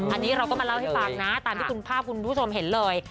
อันนี้เราก็มาเล่าให้ฟังนะตามที่คุณภาพคุณผู้ชมเห็นเลย